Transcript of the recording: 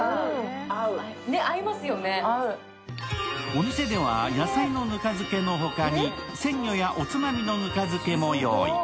お店では、野菜のぬか漬けのほかに、鮮魚やおつまみのぬか漬けも用意。